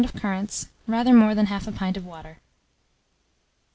of currants, rather more than 1/2 pint of water.